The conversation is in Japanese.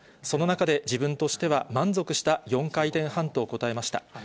その中で、自分としては満足した４回転半と答えました。